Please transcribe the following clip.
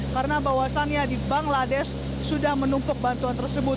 karena bahwasannya di bangladesh sudah menumpuk bantuan tersebut